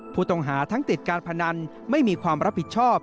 ผู้ต้องหาทั้งติดการพนันไม่มีความรับผิดชอบ